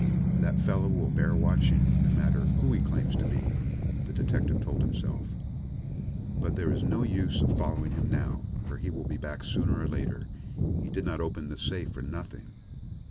"That fellow will bear watching, no matter who he claims to be," the detective told himself. "But there is no use of following him now, for he will be back sooner or later. He did not open this safe for nothing."